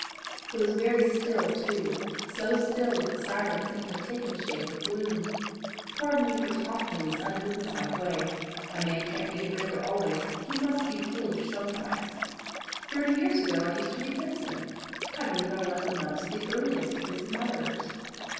It was very still too so still that the silence seemed to have taken the shape of gloom. Pardon me for talking in this unbusiness like way: a man can't be a draper always; he must be foolish sometimes. Thirty years ago I used to read Tennyson. I believe I was amongst the earliest of his admirers."